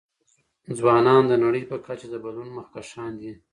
ځوانان د نړۍ په کچه د بدلون مخکښان دي.